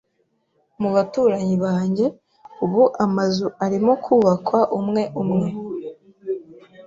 Mu baturanyi banjye, ubu amazu arimo kubakwa umwe umwe.